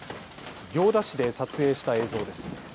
行田市で撮影した映像です。